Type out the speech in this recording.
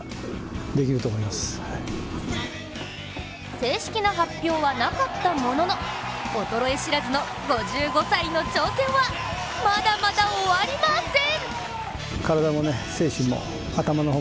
正式な発表はなかったものの衰え知らずの５５歳の挑戦はまだまだ終わりません。